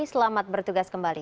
selamat bertugas kembali